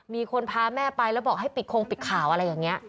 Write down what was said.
มีคนพาแม่ไปแล้วบอกให้ปิดคงปิดข่าวอะไรอย่างนี้